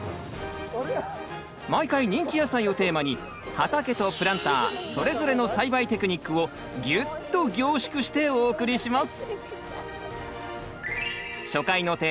毎回人気野菜をテーマに畑とプランターそれぞれの栽培テクニックをギュッと凝縮してお送りします！